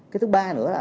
cái thứ ba nữa là